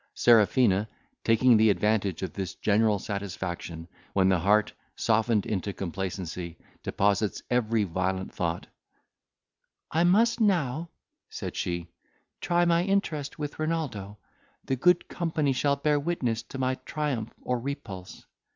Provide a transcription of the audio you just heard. Serafina taking the advantage of this general satisfaction, when the heart, softened into complacency, deposits every violent thought: "I must now," said she, "try my interest with Renaldo. The good company shall bear witness to my triumph or repulse.